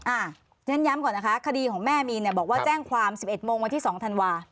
อย่างนั้นย้ำก่อนนะคะคดีของแม่มีนเนี่ยบอกว่าแจ้งความ๑๑โมงวันที่๒ธันวา